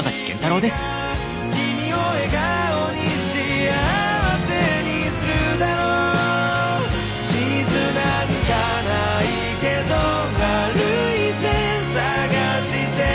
「君を笑顔に幸せにするだろう」「地図なんかないけど歩いて探して」